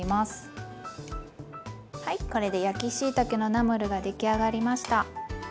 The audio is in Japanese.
はいこれで焼きしいたけのナムルが出来上がりました！